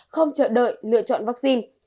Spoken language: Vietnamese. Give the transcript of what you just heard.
không chờ đợi lựa chọn vaccine